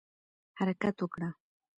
حرکت وکړه